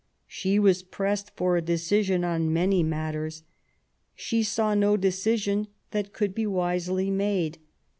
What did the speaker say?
She was pressed for a decision on many matters. She saw no decision which could be wisely made.